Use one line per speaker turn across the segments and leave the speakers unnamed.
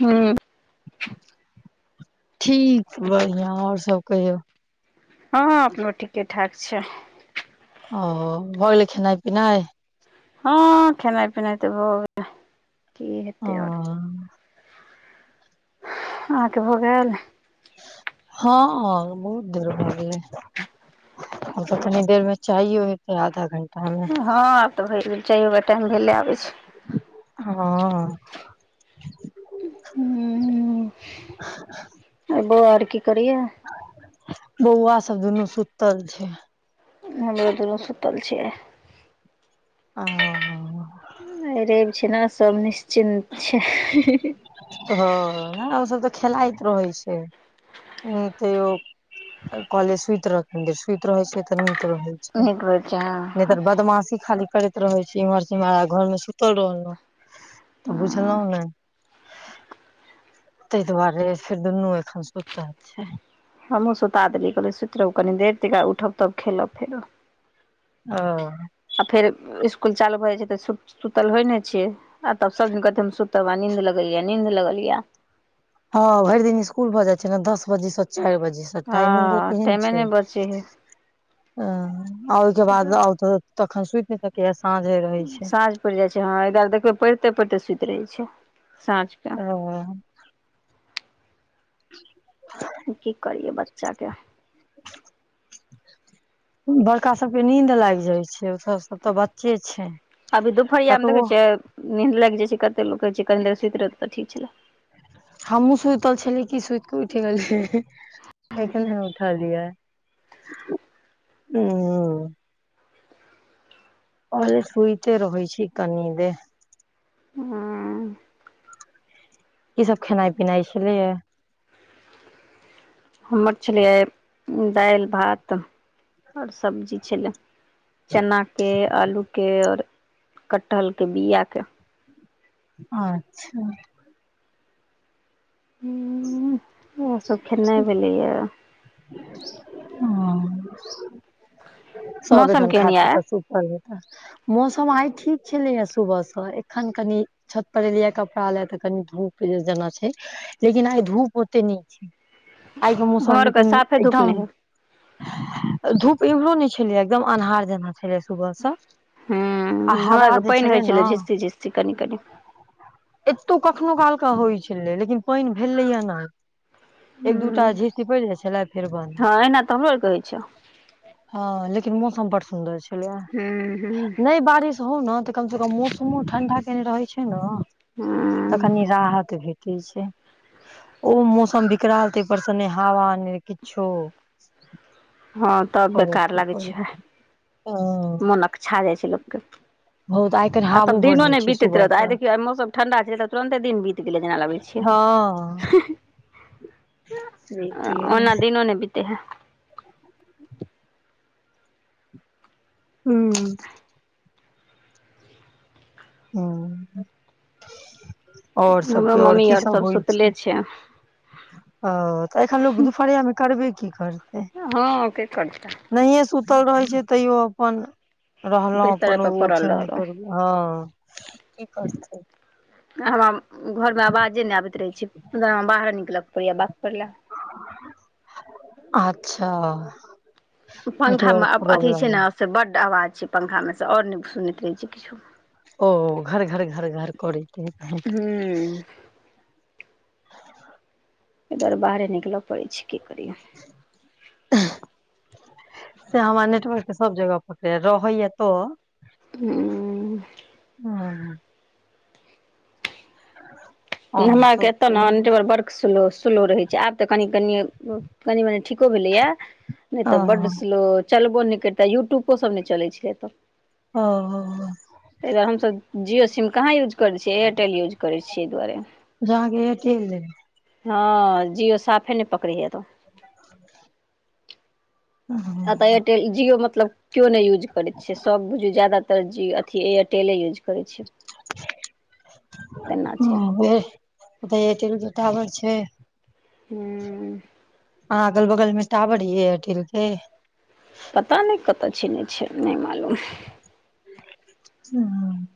हूँ
ठीक बलौं और सब कहियौ।
हँ, अपनो ठिके-ठाक छै।
ओ, भ एलै खेनाय-पिनाय?
हँ, खेनै-पिनै तऽ भऽ गे की
ओ
हेतै और? अहाँ के भऽ गेल?
हँ, बहुत देर भ गेलै। हमसब कनी देर में चायो हेतै आधा घं
हँ आब तऽ भए गेल चायो क टाइम भेले आबै छै।
हँ चा
और बौआ औड की करैयै?
बौआ सब दुनू सुत्तल छै।
हमरो दुनू सुत्तल छै ए।
आ
रैब छिना सब निश्चिन्त छै।
हँ ओ सब तऽ खेलाइत रहै छै। हं तेयो कहलिय सुति रह कनि देर सुति रहे छै तऽ नीक रहते।
नीक होइ छै
नै तऽ
हँ
बदमासी खाली करैत। रहै छी इम्हर से उम्हर घरमे सुतल रहलहुँं तऽ बुझलहुँं ने? ताहि दुआरे फेर दुनू एखन सुतल छै।
हमहूँ सुता देलीयै कहलै सुति रहू कनि देर तै के उठब तब खेलब फेरब।
ओ
आ फेर स्कुल चालू भए जाइ छै तऽ सुतल होइ नहि छै। आ तब सब दिन कहते सुत बा नींद लगलियै, नींद लगलियै।
हँ भरि दिन स्कुल भऽ जाइ छै ने दस बजे से चारि बजे। टाइमिंगो
हँ
केहन
टाइमे
छै,
नहि बचे है
अं ओहिके बाद त आउ तऽ तखन सुइत नै [unintelligible] साँझे रहै छै।
पयर जाय छै हँ आय कायल देखबे पढ़िते पढ़िते सुति रहे छै साँझ के।
[unintelligible]
की करियै बच्चाके
बड़का सबके नींन्द लागि जाइ छै ओ सब ओ तऽ बच्चे छै, कतबो
नींद लागि जाइ छै, कते लोक कहे छै कनी देर स सुति रहत तऽ ठीक छलै।
हमूँ सुतल छलै कि सुति कऽ उठि गेलीये। एखने उठलिय, हूं कहलीये सुइत रहै छी कनि देर
हं
इ सब खेनाइ पिनाइ छलयए।
हमर छलयै दाइल, भात ओर सब्जी छले चना के, आलूके। के और कटहल के बिया के।
अच्छा
ओ सब खेनाइ भेलैएऽ।
सब
मौसम
एखन
केहन
खा पी
यऽ
क सुतल ह। मौसम आइ ठीक छलैए सुबह सँ, एखन कनि छत पर एलियै कपड़ा ले तऽ कनी धूप जेना छै लेकिन आइ धूप ओते नीक आइके
हमर
मौसम
आरके
लेकिन
साफे धूप
एकदम
नहि हइ
धूप एम्हरो नय छलय एकदम अन्हार जेना छले सुबह से आ,
हूँ हमरा
हवा
आरके
जे
पानि
छलै
होइ
न
झिस्सी झिस्सी कनि कनि
एतो कखनो काल के होइ छलै लेकिन पइन भेलैया ने। एक दूटा झिसी पड़ि जाइ छलै फेर बन्द।
औना तो हमरो आर के होइ छौ।
हँ लेकिन मौसम बड सुंन्दर छलैया,
हूँ हूँ
नय बारिश न तऽ कम से कम मौसमो ठंडा केने रहे छै ने तऽ
हूँ
कनी राहत भेल। छै ओ मौसम बिकराल तय पर से नय हवा नय किछो
हँं तब बेकार लागै छै।
हां
मोन अकछा जाइ छै लोक के।
हां तऽ आइ काल्हि
आ तब
हावो बड़
दिनो
नीक
नै
छै
बीतैत
सुबह
रहत
सँ
आइ देखियौ आइ मौसम ठंडा छलै तऽ तुरन्ते दिन बीत गेलै जेना लगै छै।
हं। गेलै
ओना दिनो नै बीते हे।
हुं। हुं, और सब कहियो और की सब होइ छै?
अच्छा।
ओ, किया तऽ एखन लोक दुपहरिया मे करबे की करतै।
हँ कि करतै।
नहिये सुतल रहे छिये तैयो अपन रहलौं
बिस्तर
अपन
पर पड़ल
ओछाने
रहलहुँ
पर में। हँ, की करतै।
हमरा घर मे आवाजे नै आबैत रहै छै तै द्वारे हमरा बाहर निकलऽ पड़ैये, बात करि ले।
अच्छा।
पंखा मे
नेटवर्क
अथि
प्रॉब्लम
छै ने से बड आवाज छै पंखा मे से और ने सुनैत रहै छियै किछो।
ओ, घर घर घर घर करईत रहे छै।
हूँ। ऐ दुआरे बाहरे निकलऽ पड़ै छै की करियौ।
[unintelligible] से हमरा नेटवर्क सब जगह पकड़ैये, रहै ये तऽ
[unintelligible]
हुं।
हमरा आर के एत ने [unintelligible] स्लो स्लो रहै छै, आब तऽ कनि कनि कनि मनी ठीको भेलैए नै तऽ बड स्लो, चलबो नै करितै यूट्यूबो सब नै चलै छय एतऽ।
हां, हां, हां
ऐ दुआरे हम सभ जिओ सिम कहाँ यूज करै छियै, एयरटेल यूज करै छियै एय दुआरे।
अहांके एयरटेल अछि।
हँ जियो साफे नय पकड़े या एत।
[inaudible] ह हँ
एतऽ एयरटेल कियो मतलब कियो नैय यूज करै छैय सब बुझियौ ज्यादातर जियो। अथि एयरटेले यूज करै छै। तेना छै
ह यै एरटेल के टावर छैय
हूं।
आहाँ अगल- बगल मे टाबर ये एयरटेल के।
पता नै कतऽ छै नै छै, नै मालूम।
हुं।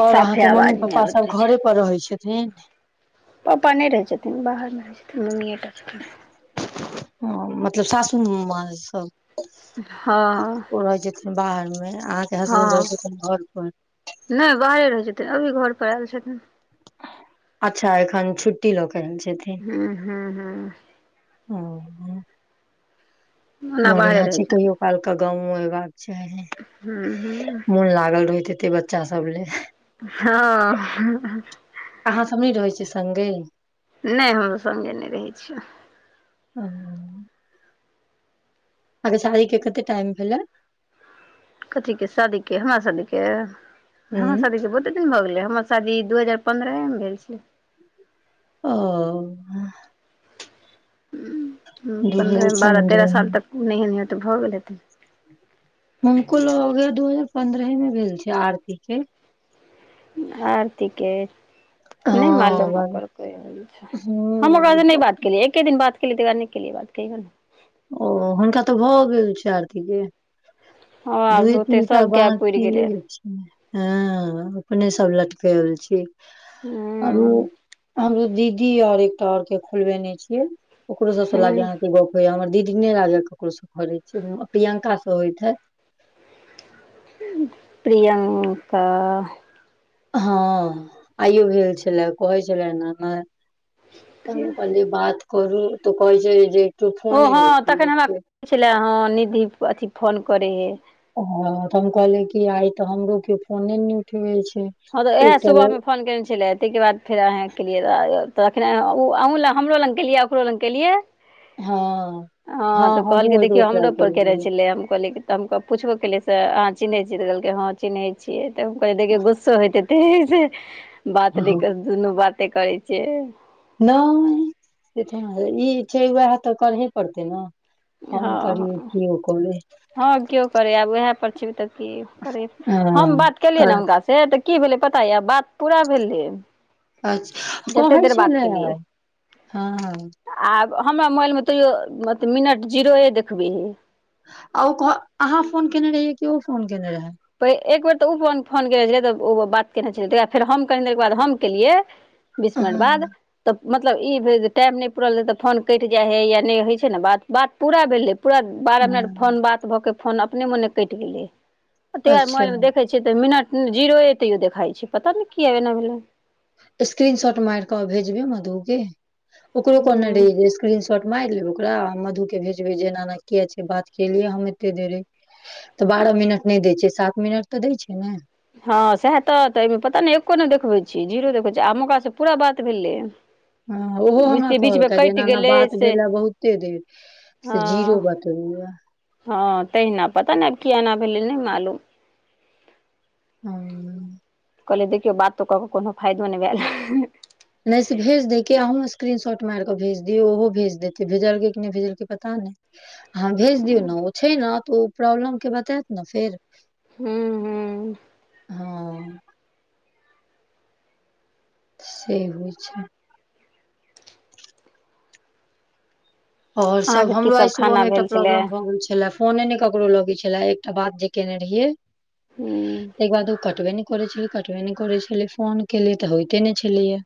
और अहाँ
साफे
के
आवाज
मम्मी
नहि
पप्पा
आबैत
सब
रहै
घरे पर रहै छथिन।
पप्पा नै रहै छथिन बाहर मे रहै छथिन, मम्मीये टा रहै छथिन।
हं मतलब सासुर मे माँ अछि सब।
हँ।
ओ रहै छथिन बाहर मे अहाँ के हसबैंड रहै छथिन घर पर।
नै बाहरे रहै छथिन अभी घर पर आयल छथिन।
अच्छा एखन छुट्टी लऽ के आयल छथिन।
हू हू हू।
ओ।
ओना बाहरे
बढ़ियां
रहै
छै कहियो काल के गाँवो एबाक चाही।
हू हू
मोन लागल रहैत हेतेै बच्चा सब ले।
हँ।
अहाँ सब नै रहै छियै संगे।
नै हम संगे नै रहै छियै।
हुं। अहाँ के शादी के कते टाइम भेले।
कथी के शादी के, हमरा शादी के, हमरा
हूँ
शादी के बहुते दिन भ गेलै हमर शादी दू हजार पन्द्रहेमे भेल छै।
ओ। दू हजार
पन्द्रह बारह तेरह
पन्द्रह
साल तक नैहो नेैहो त भऽ गेल हेतै।
हुनको लगैये दू हजार पन्द्रहे में भेल छैन आरती के।
आरती के? नै मालूम
हँ
ओकर कहिया भेल छै, हमरा
हूँ
से नै बात एके दिन बात केलियै तै के बाद नै केलियै बात कहियो नै।
ओ हुनका तऽ भऽ गेल छैय आरती के।
हँ आब
दुए-
होते
तीनटा
सबके आब पुरि गेलै
बाकिए छै। हँ, अपने सब लटकल छियै।
हूँ।
हम- हमरो दीदी आर एकटा और के खोलबेने छियै। ओकरो सब सँ लागै या
हूँ
आहाँ के गप्प होय या हमर दीदी नै, लागे ककरो सँ करै छी, प्रियंकाँ से होइत हेत।
प्रियंका।
हँ आइयो भेल छले, कहै छले अहाँके नाम त हमहुँ कहलियै बात करू तऽ कहै छै जे कियो फोने नै उठबै छै।
कहै छेला हँ निधि अथि फोन करै है।
हँ तऽ हम कहलियै कि आइ त हमरो कियो फोने नेै उठबेै छै।
हँ तऽ वैह
एकटा
सुबह
लड़
मे फोन केने छले, तै के बाद फेर अहाँ केलियै लागल तखन हमरो लग केलियै, ओकरो लग केलियै
हँ
हँ तऽ कहलकै
हमहुँ एकरो
देखियौ
ट्राइ
हमरो पर केने
रहियै
छेलै हम कहलियै तऽ हम पूछबो केलियै से अहाँ चिन्है छियै त हम कहलियै हं चिन्ह छियै होेत हेतै छै, बात नै दुनू बाते करै छै।
नै ई छै वैह तऽ करहे पड़तेै न।
हँ हँ, हँ किओ करै आब वैह पर छीन तऽ की करै, हम
हँ
बात केलियै न
कर
हुनका से तऽ की भेलै पता या बात पूरा भेलै
अच्छा, कहै
जतेक देर बात
छलै हँ,
केलियै
हँ
आब हमरा मोबाइल में तैयो मत मिनट जीरोए देखबै है।
और कहऽ अहाँ फोन केने रहियै कि ओ फोन केने रहै।
ते एक बेर तऽ उ फोन फोन केने छलै तऽ ओ बात केने छलै आ फेर हम कनि देरके बाद हम केलियै बीस
हँ
मिनट बाद तऽ मतलब ई भेल जे टाइम नै पूरल रहै तऽ फोन कइट जाइ हइ या नै होइ छै न बात, बात पूरा भेलै पूरा बारह मिनट
हँ,
फोन बात भऽके फोन अपने मोने कइट गेलै। तऽ
अच्छा
मोबाइल में देखैय छियै तऽ मिनट जीरोए तैयो देखाई छै पता नै किए एना भेलै।
स्क्रीन शॉट माइर कऽ भेजबै मधु के, ओकरो कहने
हँ
रहियै जे स्क्रीन शॉट माइर लेब ओकरा आ मधु के भेजबै जे एना-एना किया छै बात केलियै हम एते देरे। तऽ बारह मिनट नै दै छै सात मिनट तऽ दै छै ने।
हँ सएह तऽ तऽ एहि में पता नै एक्को नै देखबै छै जीरो देखबै छै आ मकासँ पूरा बात भेलै।
हँ ओहो हमरा
बुझतियै बीचमे
कहलकै जे
कटि
एना-एना
गेलै
बात
से
भेला बहुते देर
हँ
से जीरो बात। पौआ।
हँ तहिना पता नै किया एना भेलै नै मालूम।
हूं।
कहलै देखियौ बातो कऽ कऽ कोनो फायदो नै भैल।
नै से भेज दै के अहूँ स्क्रीन शॉट माइर कऽ भेज दियौ ओहो भेज देतै भेजलकै की नै भेजलकै पता नै। हँ भेज दियौ न ओ छै न तऽ ओ प्रॉब्लम के बतैत न फेर।
हूं।
हँ से होइ छै। और सब
अहाँके की
हमरो आइ सुबह
खाना
में एकटा
भेल छलै
प्रॉब्लम भऽ गेल छेलै। फोने ने ककरो लगै छलै एकटा बात जे केने रहियै
हूँ
तय के बाद उ। कटबे नै करै छलै कटबे नै करै छलै फोन केलियै तऽ होइते नै छेलैया।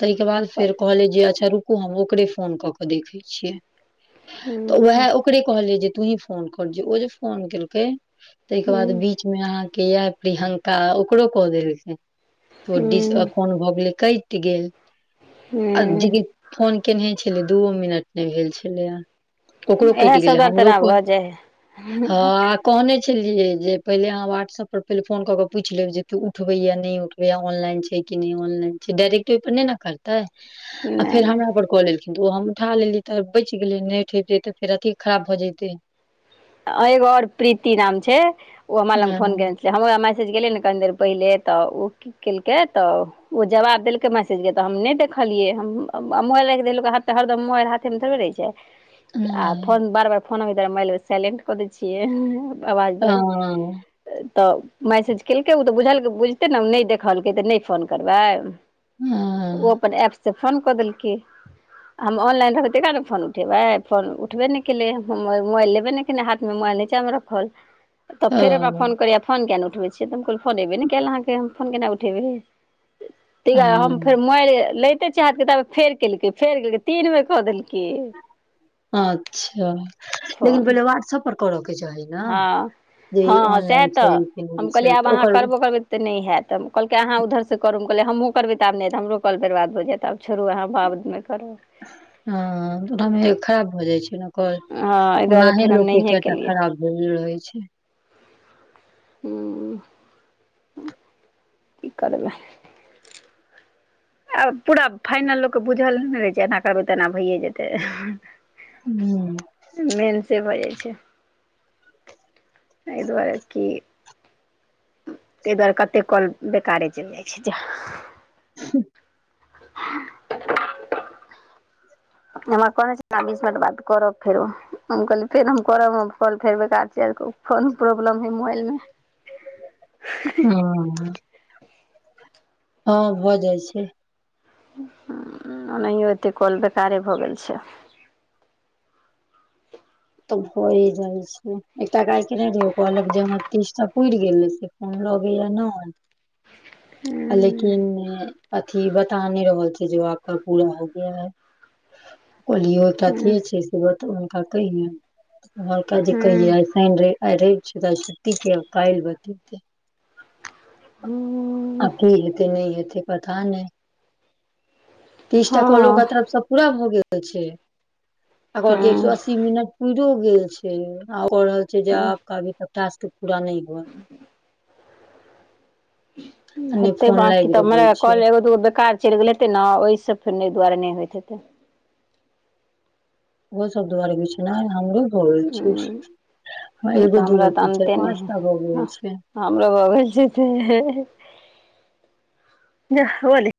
तय के बाद फेर कहलै जे अच्छा रुकू हम ओकरे फोन कऽ कऽ देखै छियै।
हूँ।
वएह ओकरे कहलै जे तूही फोन कर जे ओ जे फोन केलकै तय के बाद
हूँ
बीच। में अहाँके या प्रियंका ओकरो कऽ देलकै तऽ ओ डिस।
हूँ
फोन भऽ गेलै कइट गेल।
हूँ।
दीदी फोन केनेहे छलै दूओ मिनट नै भेल छेलैया। ओकरो कइट
इएह सब
गेलै
बात
हमरो
तोरा
कॉल
भऽ जाइ
हँ। कहने छलियै जे पहिले अहाँ व्हाट्सऐप पर पहिले फोन कऽ पूइछ लेबै जे तू उठबैया नै उठ। भैया ऑनलाइन छै कि नै ऑनलाइन छै डायरेक्टे ओ पर नै न करतै
हइ
आ
नहि
फेर
नहि
हमरा पर कॉल एल। दू हम उठा लेली तऽ बइच गेलै नै उठैबतियै तऽ फेर अथी खराब भऽ जेतै।
आ एगो और प्रीति नाम छै ओ हमरा लग
नहि
फोन केने। से हम ओरा मैसेज गेलै न कनि देर पहिले तऽ ओ की केलकै तऽ ओ। ओ जवाब देलकै मैसेज के तऽ हम नै देखलियै हम मोबइल राइख देलक हाथ हरदम मोबाइल हाथ। थे में थोड़बी रहै छै आ
हँ
फोन बार-बार फोन अबै दुआरे साइलेंट कऽ दै छियै। अवाज बर। तऽ मैसेज केलकै उ तऽ बुझलकै बुझतै न हम नै देखलकै तऽ नै फोन करबै। ओ
हँ
अपन एप स फोन कऽ देलकै। हम ऑनलाइन रहबै तखेन न फोन उठेबै फोन उठबे नै केलै मो-मो मोबाइल। नै केने हाथ में मोबाइल नीचा में रखल तऽ फेर हमरा फोन
हँ
करैया फोन किया नै उठबै। छियै तऽ हमल कहलियै फोन एबे नै कैल अहाँके हम फोन केना उठेबै। तय के बाद
हँ
हम फेर मोबाइल लैते चाहते कि ताबे फेर केलकै फेर केलकै तीन बेर कऽ देल।
अच्छा लेकिन
फोन
पहिले वाट्सप पर करऽ के चाही। ने
हँ
जे ई
हँ सएह
ऑनलाइन
तऽ
छै कि नहि
हम
छै
कहलियै आब
तऽ
अहाँ
ओकर
करबो करबै। तऽ नहि हैत कहलकै अहाँ उधरसँ करू कहलियै हमहुँ करबै त आब नहि आैतत हमरो क बर्बाद भऽयत आब छोड़ू हम आब नहि करब।
हँ ओनामे खराब भऽ जाइ छै ओ
हँ एहि दुआरे
ओनाहे
फेर हम
लोक के
नहिए
केटा
केलियै
खराब भेल रहै छै।
हूं। की करबै आ पूरा फाइनल लोकके बुझल ने रहै छै, एना करबै तऽ एना भैए जेतै।
[inaudible]
मेन से भऽ जाइ छै। अइ दुआरे कि ताहि दुआरे कतेक कल बेकारे चलि जाइ छै। जह
[inaudible]
[inaudible] एमे कहने छले बीस मिनट बाद करब फेरो। हम कहली फेर हम करब हम कल फेर बेकार च [unintelligible] कोन प्रॉब्लम है मोबाइल मे। हीं-हीं
हँ [inaudible] हँ भऽ जाइ छै।
ओनाहियो एतेक कॉल बेकारे भऽ गेल छै।
तब होइ जाइ छै। एकटा गायके नहि [unintelligible] तीस त उड़ि गेल ए से, फोन लगैया नै लेकिन अथी बता नहि रहल छै जो [unintelligible] हैये नहि। ओलियो कथि
हूँ
छै से ब [unintelligible] उनका कहि। कहलकै जे
हूँ
कहियै? शनि रवि, आइ रवि छै त आइ छुट्टीे छै। ओ कायल बतेतै।
हूं
आ के हेतै, नहि हेतै, पता नहि। तीसटा कॉल
हँ
ओकर तरफ से पूरा भऽ गेल छै। आ कहलकै एक सए
हँ हूँ
अस्सी मिनट उड़ो गेल छै। आ कह रहल छै जे
हूँ
आपका अभी तक टास्क पूरा नहि हुआ। है नहि
हतै
फोन
बाकी
लागि
त
रहल
मया क
छै
लेब ओतबो बेकार चलि गेल हेते न ओहिसँ फेर [unintelligible] दुआरे नहि होइत हेतै।
ओहो सब दुआरे कि छै नय। हमरो भ गेल छै।
हूँ तऽ
एगो
हमरा
दूगो
तऽ
कि चारि
अन्ते
पाँच
नहि
टा भऽ
हइ
गेल छै।
हमरो भऽ गेल छै [unintelligible]